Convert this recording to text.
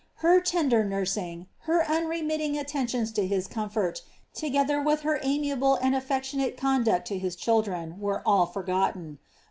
Her tender nursing, her unremitting attentions to his comfort, together with her amiable and affeciionate conduct to his children, were all forgotten.